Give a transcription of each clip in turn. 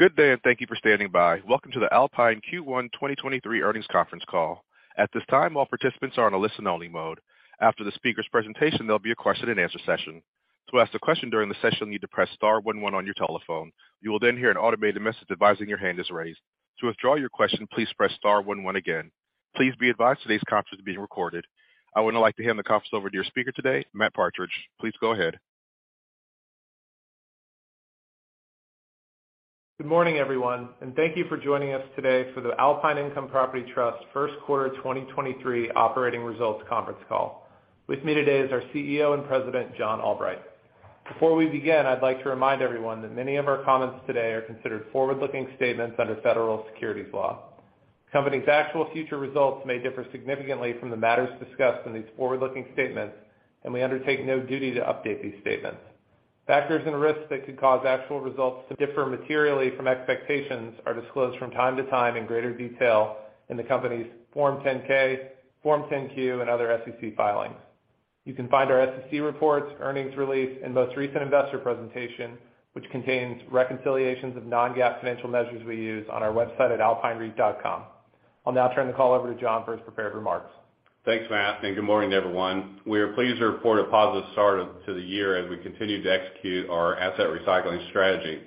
Good day, and thank you for standing by. Welcome to the Alpine Q1 2023 Earnings Conference Call. At this time, all participants are on a listen-only mode. After the speaker's presentation, there'll be a question-and-answer session. To ask a question during the session, you'll need to press star one one on your telephone. You will then hear an automated message advising your hand is raised. To withdraw your question, please press star one one again. Please be advised today's conference is being recorded. I would now like to hand the conference over to your speaker today, Matthew Partridge. Please go ahead. Good morning, everyone, thank you for joining us today for the Alpine Income Property Trust First Quarter 2023 Operating Results Conference Call. With me today is our CEO and President, John Albright. Before we begin, I'd like to remind everyone that many of our comments today are considered forward-looking statements under federal securities law. Company's actual future results may differ significantly from the matters discussed in these forward-looking statements, we undertake no duty to update these statements. Factors and risks that could cause actual results to differ materially from expectations are disclosed from time to time in greater detail in the company's Form 10-K, Form 10-Q, and other SEC filings. You can find our SEC reports, earnings release, and most recent investor presentation, which contains reconciliations of non-GAAP financial measures we use on our website at alpinereit.com. I'll now turn the call over to John for his prepared remarks. Thanks, Matt. Good morning to everyone. We are pleased to report a positive start to the year as we continue to execute our asset recycling strategy.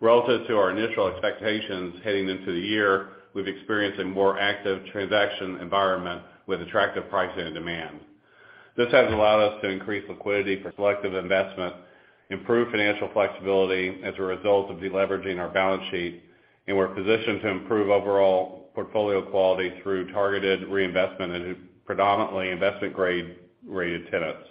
Relative to our initial expectations heading into the year, we've experienced a more active transaction environment with attractive pricing and demand. This has allowed us to increase liquidity for selective investment, improve financial flexibility as a result of deleveraging our balance sheet, and we're positioned to improve overall portfolio quality through targeted reinvestment into predominantly investment-grade rated tenants.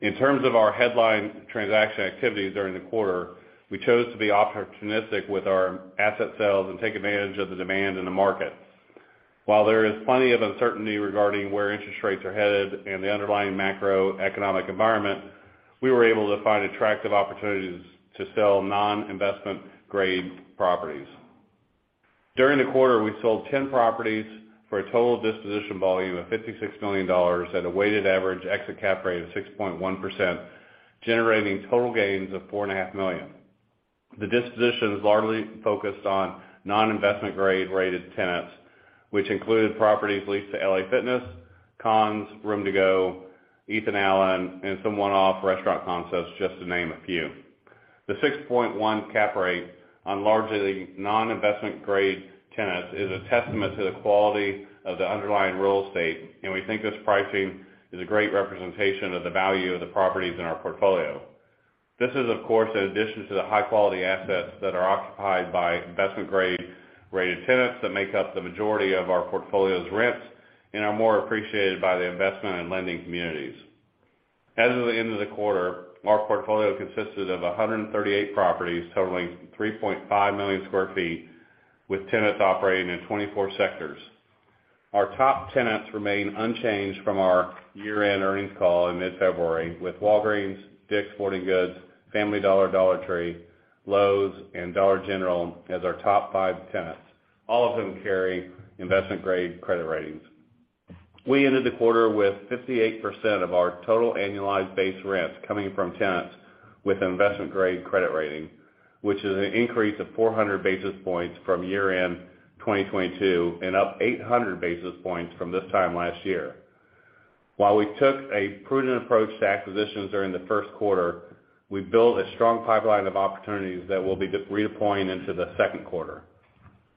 In terms of our headline transaction activities during the quarter, we chose to be opportunistic with our asset sales and take advantage of the demand in the market. While there is plenty of uncertainty regarding where interest rates are headed and the underlying macroeconomic environment, we were able to find attractive opportunities to sell non-investment-grade properties. During the quarter, we sold 10 properties for a total disposition volume of $56 million at a weighted average exit cap rate of 6.1%, generating total gains of $4.5 million. The dispositions largely focused on non-investment-grade-rated tenants, which included properties leased to LA Fitness, Conn's, Rooms To Go, Ethan Allen, and some one-off restaurant concepts, just to name a few. The 6.1% cap rate on largely non-investment-grade tenants is a testament to the quality of the underlying real estate, and we think this pricing is a great representation of the value of the properties in our portfolio. This is, of course, in addition to the high-quality assets that are occupied by investment grade rated tenants that make up the majority of our portfolio's rents and are more appreciated by the investment and lending communities. As of the end of the quarter, our portfolio consisted of 138 properties totaling 3.5 million sq ft, with tenants operating in 24 sectors. Our top tenants remain unchanged from our year-end earnings call in mid-February, with Walgreens, Dick's Sporting Goods, Family Dollar Tree, Lowe's, and Dollar General as our top five tenants. All of them carry investment grade credit ratings. We ended the quarter with 58% of our total annualized base rents coming from tenants with investment grade credit rating, which is an increase of 400 basis points from year-end 2022 and up 800 basis points from this time last year. While we took a prudent approach to acquisitions during the first quarter, we built a strong pipeline of opportunities that will be de-redeploying into the second quarter.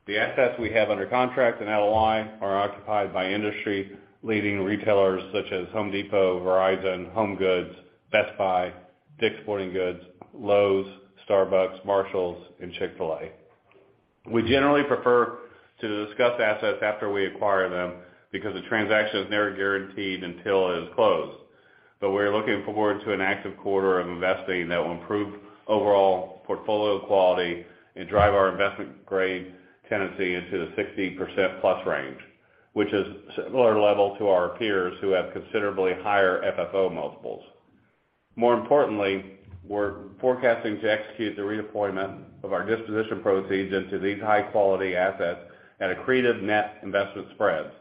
The assets we have under contract and out of line are occupied by industry-leading retailers such as Home Depot, Verizon, HomeGoods, Best Buy, Dick's Sporting Goods, Lowe's, Starbucks, Marshalls, and Chick-fil-A. We generally prefer to discuss assets after we acquire them because the transaction is never guaranteed until it is closed. We're looking forward to an active quarter of investing that will improve overall portfolio quality and drive our investment grade tenancy into the 60%+ range, which is similar level to our peers who have considerably higher FFO multiples. More importantly, we're forecasting to execute the redeployment of our disposition proceeds into these high-quality assets at accretive net investment spreads.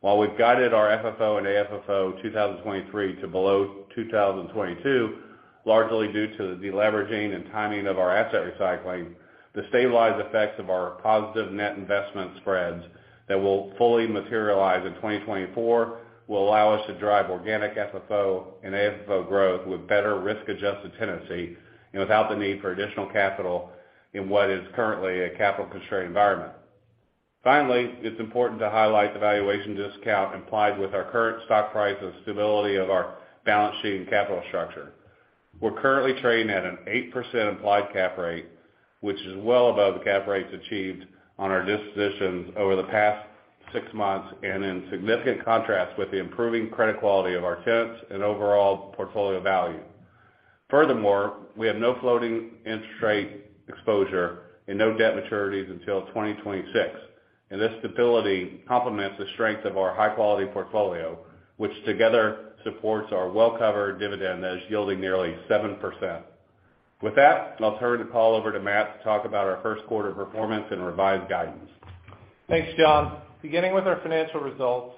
While we've guided our FFO and AFFO 2023 to below 2022, largely due to the deleveraging and timing of our asset recycling, the stabilized effects of our positive net investment spreads that will fully materialize in 2024 will allow us to drive organic FFO and AFFO growth with better risk-adjusted tenancy and without the need for additional capital in what is currently a capital-constrained environment. Finally, it's important to highlight the valuation discount implied with our current stock price and stability of our balance sheet and capital structure. We're currently trading at an 8% implied cap rate, which is well above the cap rates achieved on our dispositions over the past 6 months and in significant contrast with the improving credit quality of our tenants and overall portfolio value. Furthermore, we have no floating interest rate exposure and no debt maturities until 2026. This stability complements the strength of our high-quality portfolio, which together supports our well-covered dividend that is yielding nearly 7%. With that, I'll turn the call over to Matt to talk about our first quarter performance and revised guidance. Thanks, John. Beginning with our financial results,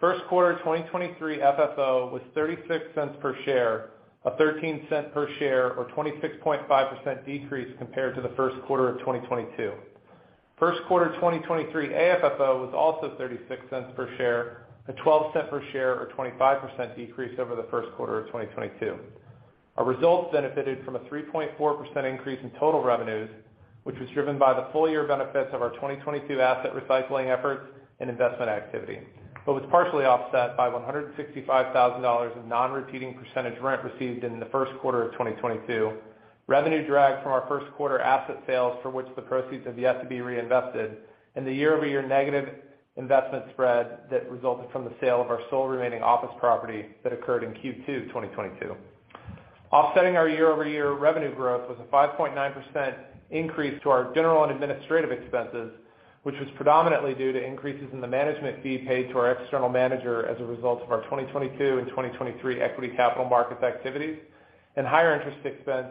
first quarter 2023 FFO was $0.36 per share, a $0.13 per share or 26.5% decrease compared to the first quarter of 2022. First quarter 2023 AFFO was also $0.36 per share, a $0.12 per share or 25% decrease over the first quarter of 2022. Our results benefited from a 3.4% increase in total revenues, which was driven by the full year benefits of our 2022 asset recycling efforts and investment activity, but was partially offset by $165,000 of non-repeating percentage rent received in the first quarter of 2022. Revenue drag from our first quarter asset sales for which the proceeds have yet to be reinvested, and the year-over-year negative investment spread that resulted from the sale of our sole remaining office property that occurred in Q2 2022. Offsetting our year-over-year revenue growth was a 5.9% increase to our general and administrative expenses, which was predominantly due to increases in the management fee paid to our external manager as a result of our 2022 and 2023 equity capital markets activities and higher interest expense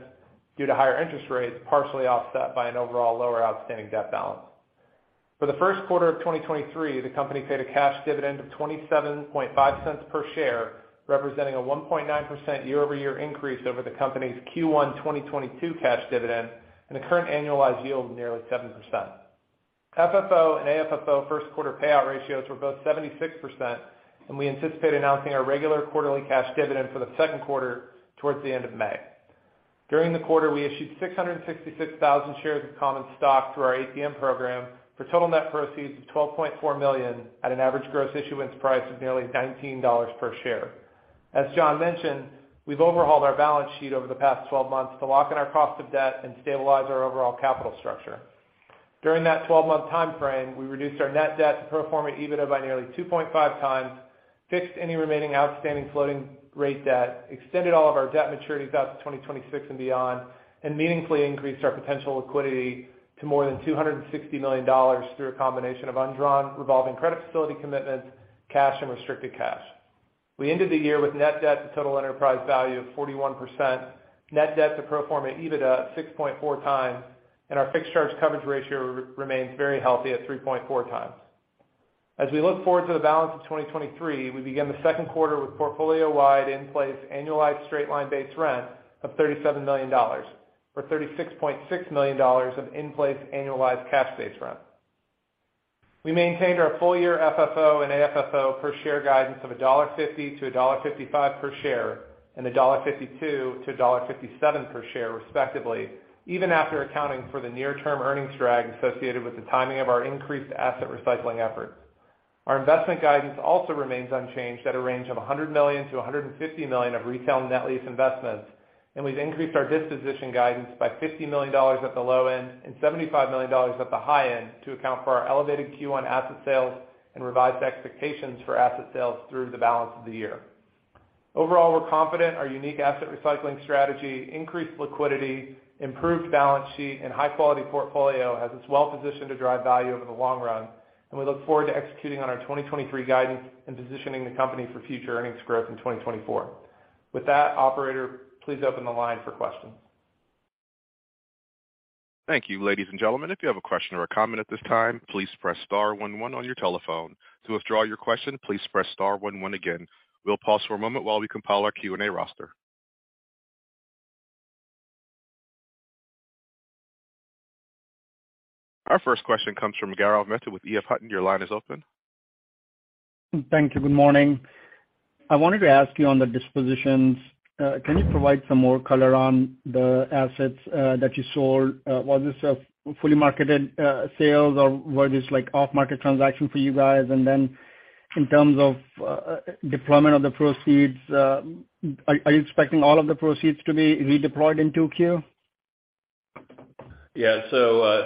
due to higher interest rates, partially offset by an overall lower outstanding debt balance. For the first quarter of 2023, the company paid a cash dividend of $0.275 per share, representing a 1.9% year-over-year increase over the company's Q1 2022 cash dividend and a current annualized yield of nearly 7%. FFO and AFFO first quarter payout ratios were both 76%. We anticipate announcing our regular quarterly cash dividend for the second quarter towards the end of May. During the quarter, we issued 666,000 shares of common stock through our ATM program for total net proceeds of $12.4 million at an average gross issuance price of nearly $19 per share. As John mentioned, we've overhauled our balance sheet over the past 12 months to lock in our cost of debt and stabilize our overall capital structure. During that 12-month timeframe, we reduced our net debt-to-pro forma EBITDA by nearly 2.5x, fixed any remaining outstanding floating rate debt, extended all of our debt maturities out to 2026 and beyond, and meaningfully increased our potential liquidity to more than $260 million through a combination of undrawn revolving credit facility commitments, cash and restricted cash. We ended the year with net debt to total enterprise value of 41%, net debt-to-pro forma EBITDA at 6.4x, and our fixed charge coverage ratio remains very healthy at 3.4x. We look forward to the balance of 2023, we begin the second quarter with portfolio-wide in-place annualized straight-line base rent of $37 million, or $36.6 million of in-place annualized cash base rent. We maintained our full year FFO and AFFO per share guidance of $1.50-$1.55 per share and $1.52-$1.57 per share respectively, even after accounting for the near-term earnings drag associated with the timing of our increased asset recycling efforts. Our investment guidance also remains unchanged at a range of $100 million-$150 million of retail net lease investments. We've increased our disposition guidance by $50 million at the low end and $75 million at the high end to account for our elevated Q1 asset sales and revised expectations for asset sales through the balance of the year. Overall, we're confident our unique asset recycling strategy, increased liquidity, improved balance sheet, and high-quality portfolio has us well positioned to drive value over the long run. We look forward to executing on our 2023 guidance and positioning the company for future earnings growth in 2024. With that, operator, please open the line for questions. Thank you, ladies and gentlemen. If you have a question or a comment at this time, please press star one one on your telephone. To withdraw your question, please press star one one again. We'll pause for a moment while we compile our Q&A roster. Our first question comes from Gaurav Mehta with EF Hutton. Your line is open. Thank you. Good morning. I wanted to ask you on the dispositions, can you provide some more color on the assets that you sold? Was this a fully marketed sales or were this like off market transaction for you guys? In terms of deployment of the proceeds, are you expecting all of the proceeds to be redeployed in Q2? Yeah.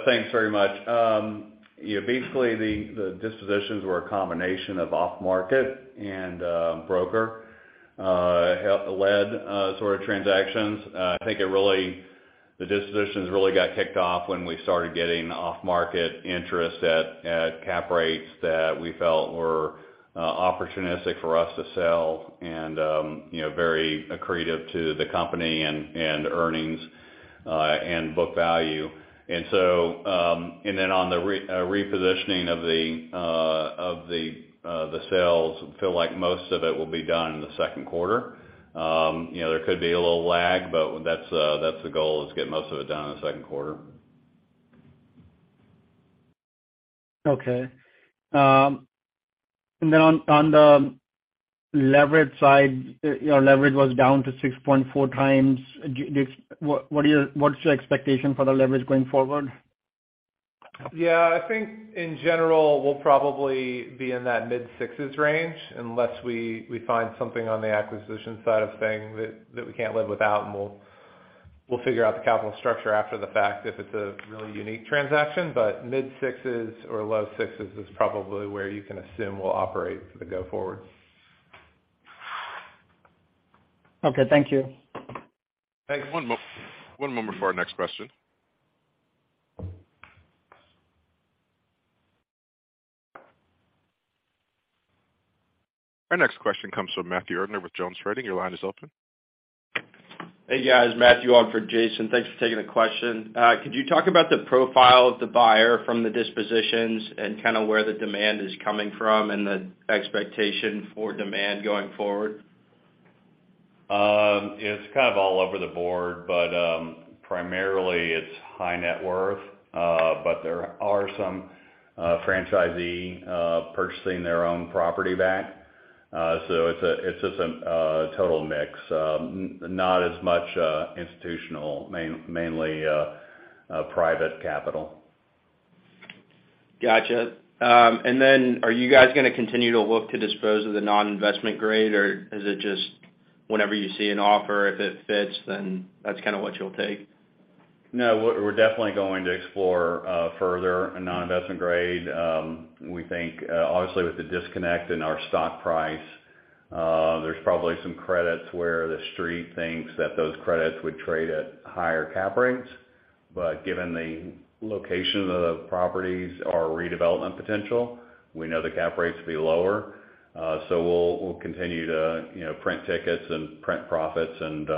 Thanks very much. Yeah, basically the dispositions were a combination of off market and broker-led sort of transactions. The dispositions really got kicked off when we started getting off market interest at cap rates that we felt were opportunistic for us to sell and, you know, very accretive to the company and earnings and book value. On the repositioning of the sales, I feel like most of it will be done in the second quarter. You know, there could be a little lag, but that's the goal is to get most of it done in the second quarter. On the leverage side, your leverage was down to 6.4x. What's your expectation for the leverage going forward? Yeah, I think in general we'll probably be in that mid-sixes range unless we find something on the acquisition side of things that we can't live without, and we'll figure out the capital structure after the fact if it's a really unique transaction. Mid-sixes or low sixes is probably where you can assume we'll operate for the go forward. Okay. Thank you. Thanks. One moment for our next question. Our next question comes from Matthew Erdner with Jones Trading. Your line is open. Hey, guys. Matthew Erdner on for Jason. Thanks for taking the question. Could you talk about the profile of the buyer from the dispositions and kind of where the demand is coming from and the expectation for demand going forward? It's kind of all over the board, but primarily it's high net worth. There are some franchisee purchasing their own property back. It's just a total mix. Not as much institutional, mainly private capital. Gotcha. Are you guys gonna continue to look to dispose of the non-investment-grade, or is it just whenever you see an offer, if it fits, then that's kinda what you'll take? No. We're definitely going to explore further non-investment-grade. We think obviously with the disconnect in our stock price, there's probably some credits where the street thinks that those credits would trade at higher cap rates. Given the location of the properties or redevelopment potential, we know the cap rates will be lower. We'll continue to, you know, print tickets and print profits and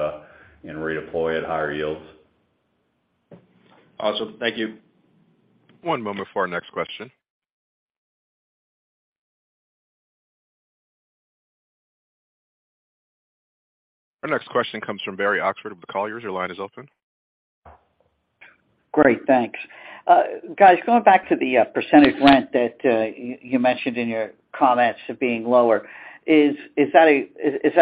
redeploy at higher yields. Awesome. Thank you. One moment for our next question. Our next question comes from Barry Oxford with Colliers. Your line is open. Great. Thanks. Guys, going back to the percentage rent that you mentioned in your comments of being lower, is that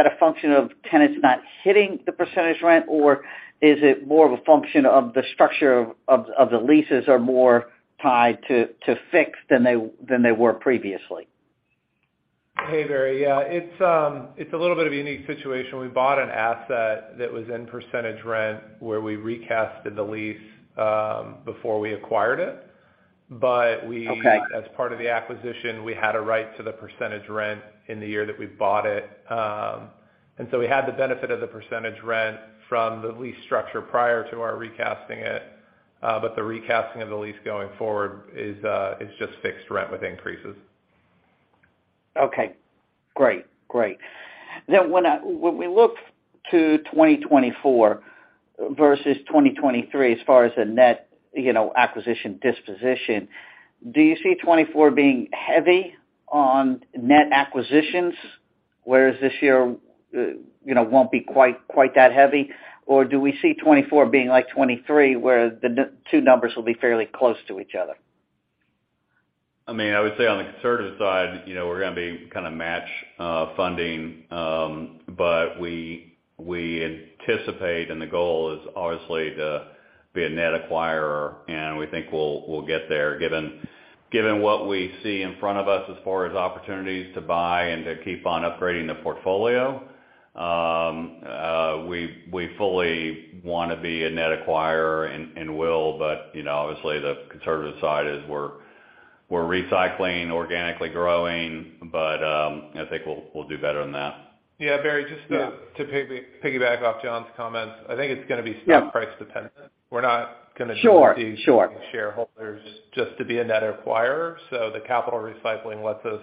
a function of tenants not hitting the percentage rent, or is it more of a function of the structure of the leases are more tied to fixed than they were previously? Hey, Barry. Yeah. It's a little bit of a unique situation. We bought an asset that was in percentage rent where we recasted the lease, before we acquired it. Okay. As part of the acquisition, we had a right to the percentage rent in the year that we bought it. We had the benefit of the percentage rent from the lease structure prior to our recasting it. The recasting of the lease going forward is just fixed rent with increases. Okay. Great. Great. When we look to 2024 versus 2023 as far as the net, you know, acquisition disposition, do you see 2024 being heavy on net acquisitions, whereas this year, you know, won't be quite that heavy? Or do we see 2024 being like 2023, where the 2 numbers will be fairly close to each other? I mean, I would say on the conservative side, you know, we're gonna be kind of match funding. We anticipate and the goal is obviously to be a net acquirer, we think we'll get there. Given what we see in front of us as far as opportunities to buy and to keep on upgrading the portfolio, we fully wanna be a net acquirer and will, you know, obviously the conservative side is we're recycling, organically growing. I think we'll do better than that. Yeah, Barry, just to piggyback off John's comments, I think it's gonna be stock price dependent. Sure. We're not gonna— Sure, sure. Dilute the shareholders just to be a net acquirer. The capital recycling lets us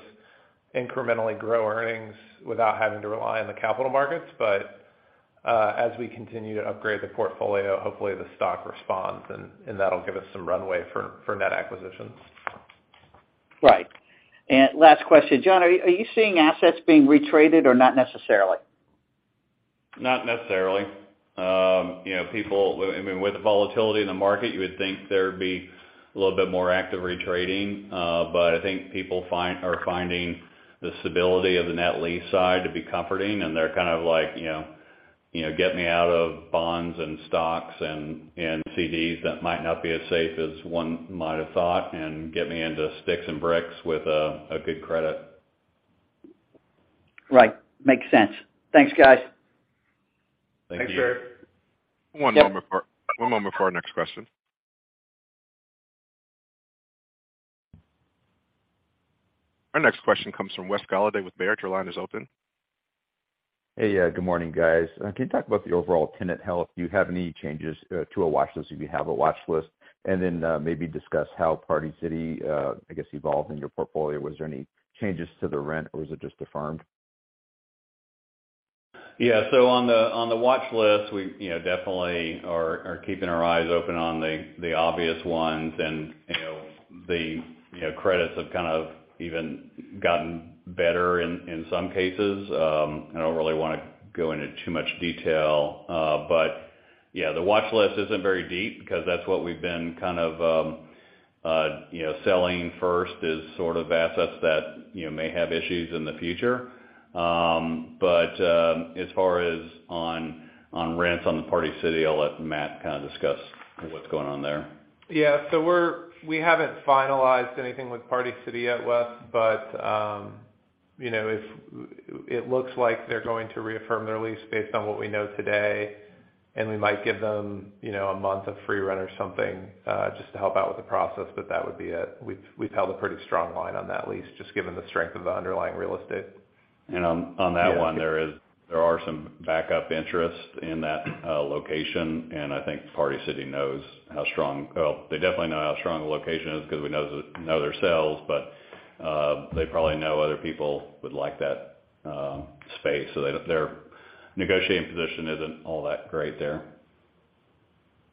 incrementally grow earnings without having to rely on the capital markets. As we continue to upgrade the portfolio, hopefully the stock responds, and that'll give us some runway for net acquisitions. Right. Last question. John, are you seeing assets being retraded or not necessarily? Not necessarily. You know, with the volatility in the market, you would think there'd be a little bit more active retrading. I think people are finding the stability of the net lease side to be comforting, and they're kind of like, you know, get me out of bonds and stocks and CDs that might not be as safe as one might have thought, and get me into sticks and bricks with a good credit. Right. Makes sense. Thanks, guys. Thank you. Thanks, Barry. One moment for our— Yep. One moment for our next question. Our next question comes from Wesley Golladay with Baird. Your line is open. Hey. Good morning, guys. Can you talk about the overall tenant health? Do you have any changes to a watchlist if you have a watchlist? Maybe discuss how Party City, I guess, evolved in your portfolio. Was there any changes to the rent or was it just affirmed? On the watchlist, we, you know, definitely are keeping our eyes open on the obvious ones. You know, the, you know, credits have kind of even gotten better in some cases. I don't really wanna go into too much detail. Yeah, the watchlist isn't very deep because that's what we've been kind of, you know, selling first is sort of assets that, you know, may have issues in the future. As far as on rents on the Party City, I'll let Matt kind of discuss what's going on there. Yeah. We haven't finalized anything with Party City at West, you know, it looks like they're going to reaffirm their lease based on what we know today. We might give them, you know, a month of free rent or something just to help out with the process. That would be it. We've held a pretty strong line on that lease just given the strength of the underlying real estate. On that one, there are some backup interest in that location, and I think Party City knows how strong. Well, they definitely know how strong the location is because we know their sales. They probably know other people would like that space, so their negotiating position isn't all that great there.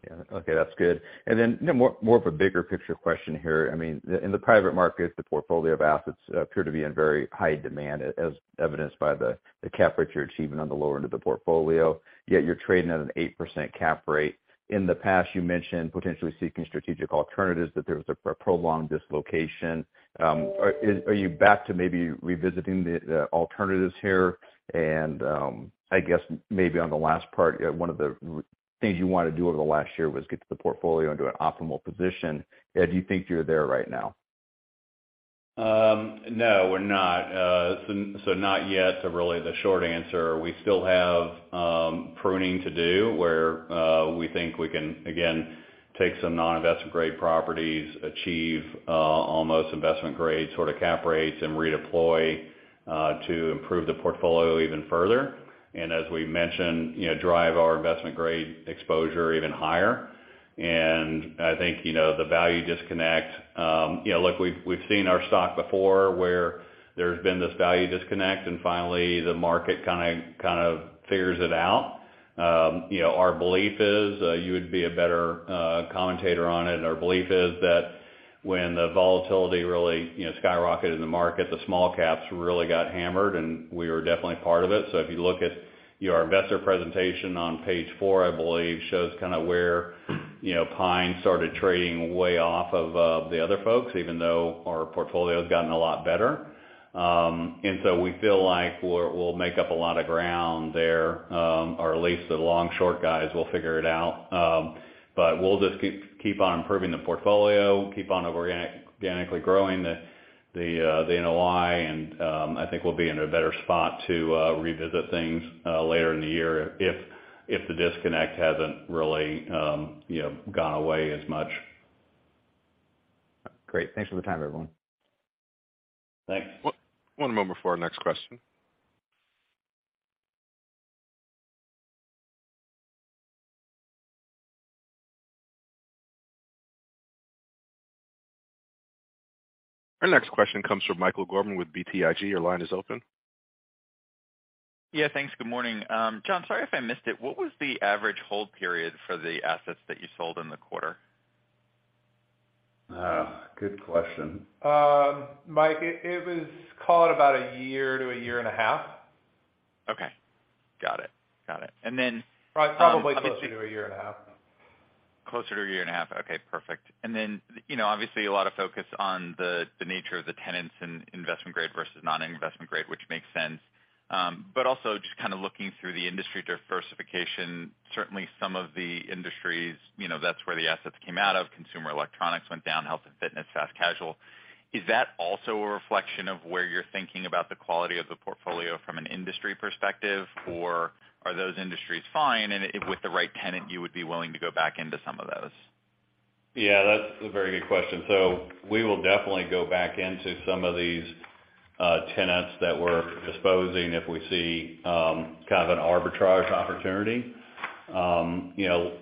Yeah. Okay, that's good. Then more of a bigger picture question here. I mean, in the private market, the portfolio of assets appear to be in very high demand as evidenced by the cap rate you're achieving on the lower end of the portfolio. Yet you're trading at an 8% cap rate. In the past, you mentioned potentially seeking strategic alternatives, that there was a prolonged dislocation. Are you back to maybe revisiting the alternatives here? I guess maybe on the last part, one of the things you wanna do over the last year was get the portfolio into an optimal position. Do you think you're there right now? No, we're not. So, not yet, really the short answer. We still have pruning to do where we think we can, again, take some non-investment-grade properties, achieve almost investment grade sort of cap rates and redeploy to improve the portfolio even further. As we mentioned, you know, drive our investment grade exposure even higher. I think, you know, the value disconnect, you know, look, we've seen our stock before where there's been this value disconnect, and finally the market kind of figures it out. You know, our belief is, you would be a better commentator on it. Our belief is that when the volatility really, you know, skyrocketed in the market, the small caps really got hammered, and we were definitely part of it. If you look at our investor presentation on page four, I believe shows kinda where, you know, Alpine started trading way off of the other folks, even though our portfolio has gotten a lot better. We feel like we'll make up a lot of ground there, or at least the long short guys will figure it out. We'll just keep on improving the portfolio, keep on organically growing the NOI, and I think we'll be in a better spot to revisit things later in the year if the disconnect hasn't really, you know, gone away as much. Great. Thanks for the time, everyone. Thanks. One moment for our next question. Our next question comes from Michael Gorman with BTIG. Your line is open. Yeah, thanks. Good morning. John, sorry if I missed it. What was the average hold period for the assets that you sold in the quarter? Good question. Mike, it was call it about a year to a year and a half. Okay. Got it. Got it. Probably closer to a year and a half. Closer to a year and a half. Okay, perfect. You know, obviously a lot of focus on the nature of the tenants in investment grade versus non-investment-grade, which makes sense. Also just kinda looking through the industry diversification, certainly some of the industries, you know, that's where the assets came out of, consumer electronics went down, health and fitness, fast casual. Is that also a reflection of where you're thinking about the quality of the portfolio from an industry perspective? Or are those industries fine and with the right tenant, you would be willing to go back into some of those? That's a very good question. We will definitely go back into some of these tenants that we're disposing if we see kind of an arbitrage opportunity. You know,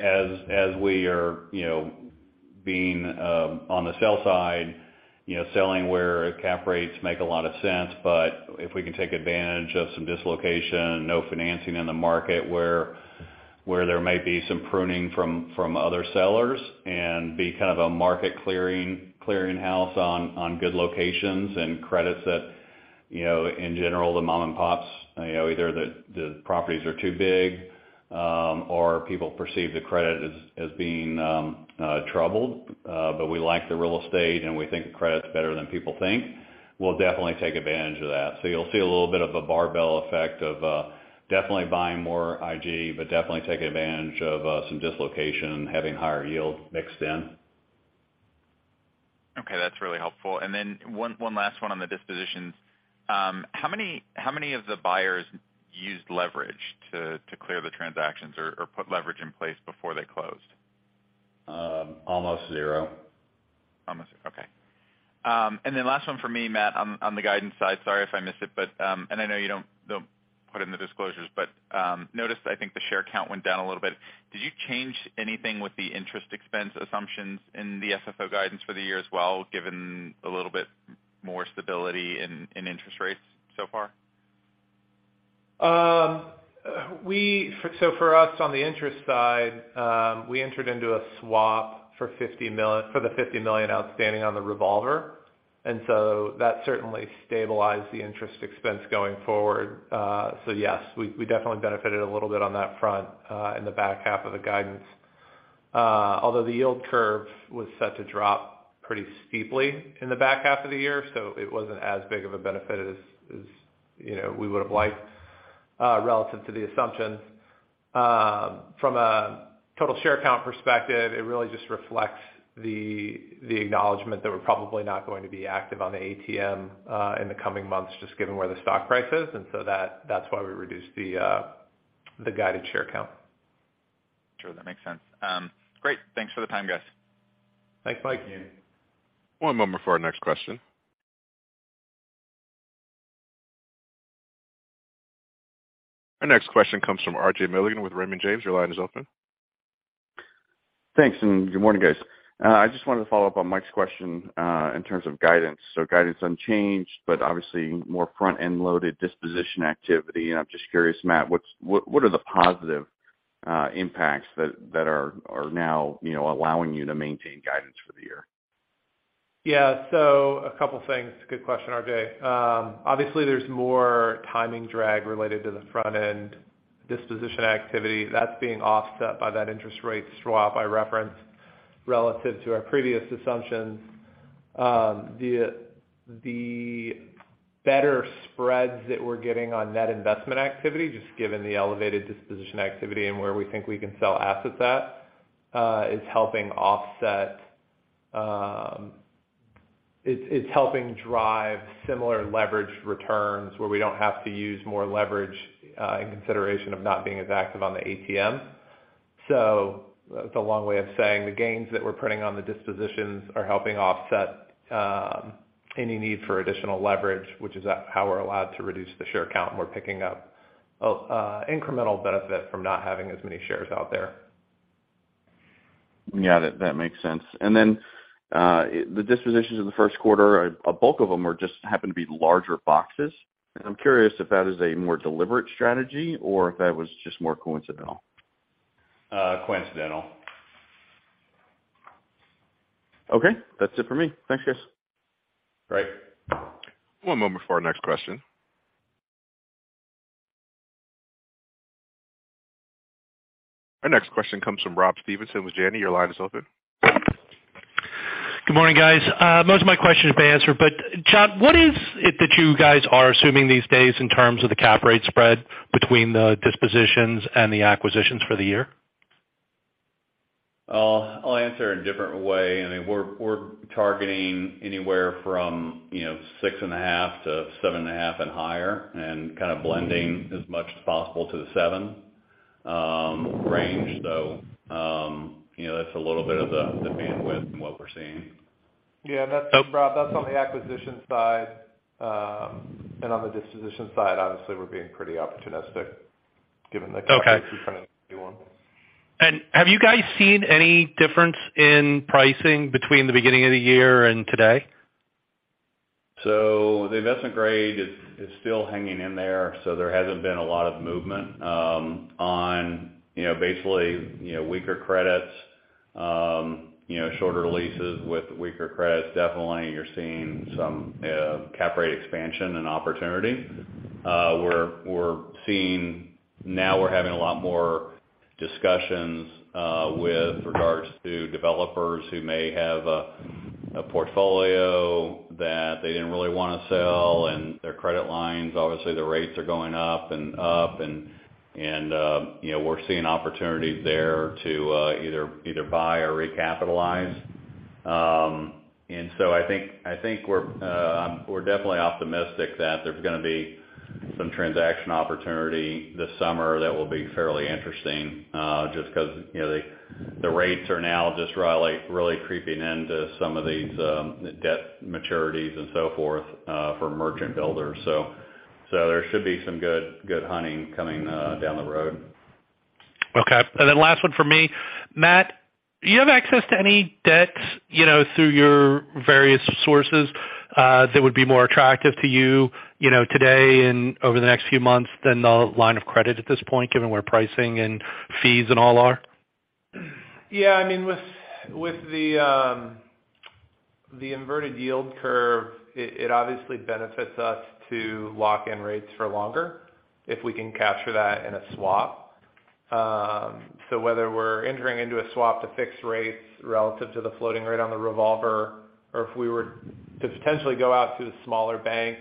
as we are, you know, being on the sell side, you know, selling where cap rates make a lot of sense, but if we can take advantage of some dislocation, no financing in the market where there may be some pruning from other sellers and be kind of a market clearing house on good locations and credits that, you know, in general, the mom and pops, you know, either the properties are too big, or people perceive the credit as being troubled. But we like the real estate, and we think the credit is better than people think. We'll definitely take advantage of that. You'll see a little bit of a barbell effect of, definitely buying more IG, but definitely taking advantage of, some dislocation, having higher yield mixed in. Okay, that's really helpful. Then one last one on the dispositions. How many of the buyers used leverage to clear the transactions or put leverage in place before they closed? Almost zero. Almost zero. Okay. Last one for me, Matt, on the guidance side. Sorry if I missed it. I know you don't put in the disclosures. Noticed, I think the share count went down a little bit. Did you change anything with the interest expense assumptions in the FFO guidance for the year as well, given a little bit more stability in interest rates so far? So for us, on the interest side, we entered into a swap for the $50 million outstanding on the revolver, that certainly stabilized the interest expense going forward. Yes, we definitely benefited a little bit on that front, in the back half of the guidance. Although the yield curve was set to drop pretty steeply in the back half of the year, so it wasn't as big of a benefit as, you know, we would have liked, relative to the assumptions. From a total share count perspective, it really just reflects the acknowledgment that we're probably not going to be active on the ATM in the coming months, just given where the stock price is. That's why we reduced the guided share count. Sure. That makes sense. Great. Thanks for the time, guys. Thanks, Mike. One moment for our next question. Our next question comes from RJ Milligan with Raymond James. Your line is open. Thanks. Good morning, guys. I just wanted to follow up on Mike's question in terms of guidance. Guidance unchanged, but obviously more front-end loaded disposition activity. I'm just curious, Matt, what are the positive impacts that are now, you know, allowing you to maintain guidance for the year? Yeah. A couple things. Good question, RJ. Obviously there's more timing drag related to the front-end disposition activity that's being offset by that interest rate swap I referenced relative to our previous assumptions. The better spreads that we're getting on net investment activity, just given the elevated disposition activity and where we think we can sell assets at, is helping offset. It's helping drive similar leverage returns where we don't have to use more leverage in consideration of not being as active on the ATM. That's a long way of saying the gains that we're putting on the dispositions are helping offset any need for additional leverage, which is how we're allowed to reduce the share count, and we're picking up incremental benefit from not having as many shares out there. Yeah, that makes sense. The dispositions in the first quarter, a bulk of them just happen to be larger boxes, and I'm curious if that is a more deliberate strategy or if that was just more coincidental. Coincidental. Okay. That's it for me. Thanks, guys. Great. One moment for our next question. Our next question comes from Rob Stevenson with Janney. Your line is open. Good morning, guys. Most of my questions have been answered, but John, what is it that you guys are assuming these days in terms of the cap rate spread between the dispositions and the acquisitions for the year? I'll answer in a different way. I mean, we're targeting anywhere from, you know, 6.5% to 7.5% and higher and kind of blending as much as possible to the 7% range. You know, that's a little bit of the bandwidth in what we're seeing. Yeah. So— Rob. That's on the acquisition side. On the disposition side, obviously we're being pretty opportunistic given one. Okay. Have you guys seen any difference in pricing between the beginning of the year and today? The investment grade is still hanging in there. There hasn't been a lot of movement on, you know, basically, you know, weaker credits. You know, shorter leases with weaker credits. Definitely you're seeing some cap rate expansion and opportunity. Now we're having a lot more discussions with regards to developers who may have a portfolio that they didn't really wanna sell and their credit lines. Obviously the rates are going up and up and, you know, we're seeing opportunities there to either buy or recapitalize. I think we're definitely optimistic that there's gonna be some transaction opportunity this summer that will be fairly interesting, just 'cause, you know, the rates are now just really creeping into some of these debt maturities and so forth for merchant builders. There should be some good hunting coming down the road. Okay. Last one for me. Matt, do you have access to any debts, you know, through your various sources, that would be more attractive to you know, today and over the next few months than the line of credit at this point, given where pricing and fees and all are? Yeah, I mean, with the inverted yield curve, it obviously benefits us to lock in rates for longer if we can capture that in a swap. Whether we're entering into a swap to fix rates relative to the floating rate on the revolver or if we were to potentially go out to a smaller bank,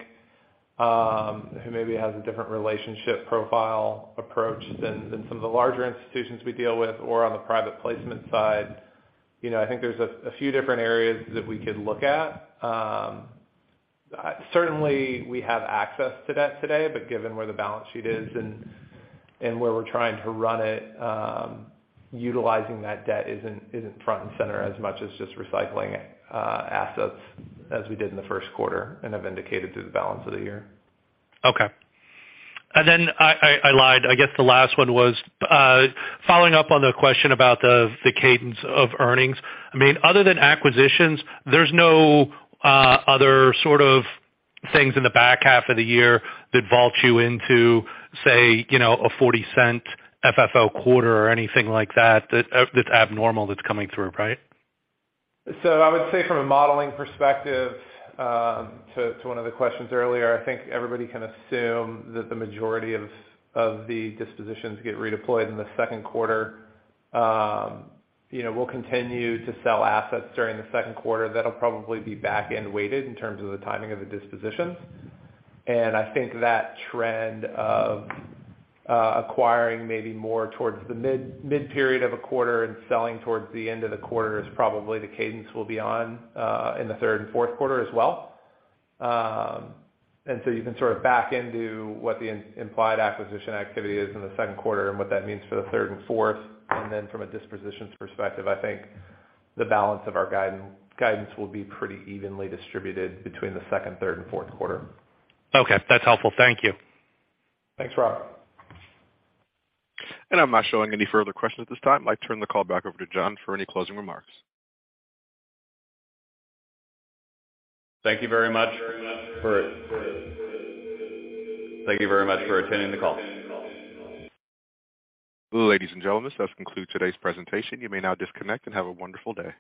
who maybe has a different relationship profile approach than some of the larger institutions we deal with or on the private placement side, you know, I think there's a few different areas that we could look at. Certainly we have access to debt today, given where the balance sheet is and where we're trying to run it, utilizing that debt isn't front and center as much as just recycling assets as we did in the first quarter and have indicated through the balance of the year. Okay. I lied. I guess the last one was following up on the question about the cadence of earnings. I mean, other than acquisitions, there's no other sort of things in the back half of the year that vaults you into say, you know, a $0.40 FFO quarter or anything like that's abnormal that's coming through, right? I would say from a modeling perspective, to one of the questions earlier, I think everybody can assume that the majority of the dispositions get redeployed in the second quarter. You know, we'll continue to sell assets during the second quarter. That'll probably be back end weighted in terms of the timing of the dispositions. I think that trend of acquiring maybe more towards the mid-period of a quarter and selling towards the end of the quarter is probably the cadence we'll be on in the third and fourth quarter as well. You can sort of back into what the implied acquisition activity is in the second quarter and what that means for the third and fourth. From a dispositions perspective, I think the balance of our guidance will be pretty evenly distributed between the second, third and fourth quarter. Okay, that's helpful. Thank you. Thanks, Rob. I'm not showing any further questions at this time. I turn the call back over to John for any closing remarks. Thank you very much for attending the call. Ladies and gentlemen, this does conclude today's presentation. You may now disconnect and have a wonderful day.